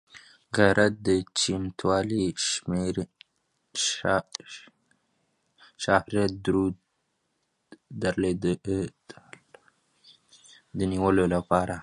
د غیرت چغې شهرت دوه دلیلونه لري.